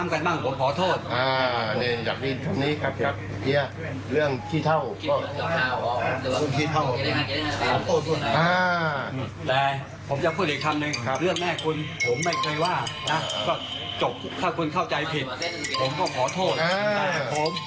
ผมก็ขอโทษนะครับผม